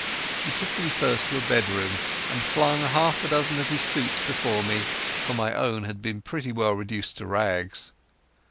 He took me first to a bedroom and flung half a dozen of his suits before me, for my own had been pretty well reduced to rags.